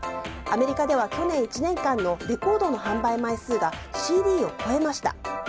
アメリカでは去年１年間のレコードの販売枚数がＣＤを超えました。